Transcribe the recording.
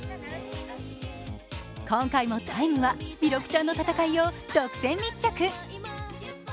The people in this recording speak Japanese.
今回も「ＴＩＭＥ，」は弥勒ちゃんの戦いを独占密着。